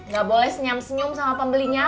gak boleh senyam senyum sama pembelinya